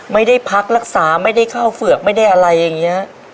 ไม่ได้พักรักษาไม่ได้เข้าเฝือกไม่ได้อะไรอย่างนี้